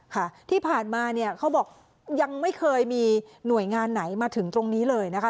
ค่ะที่ผ่านมาเนี่ยเขาบอกยังไม่เคยมีหน่วยงานไหนมาถึงตรงนี้เลยนะคะ